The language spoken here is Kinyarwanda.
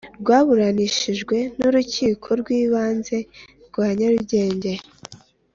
rwaburanishijwe n Urukiko rw Ibanze rwa Nyarugenge